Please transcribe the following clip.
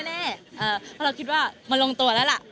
เพราะเราคิดว่ามันลงตัวแล้วล่ะ